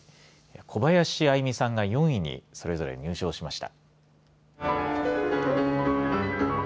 小林愛実さんが４位にそれぞれ入賞しました。